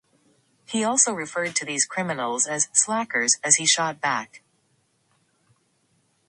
He also referred to these criminals as "slackers" as he shot back.